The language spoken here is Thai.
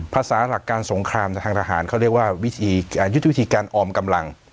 ภาษาหลักการสงครามทางทหารเขาเรียกว่ายุทธวิธีการออมกำลัง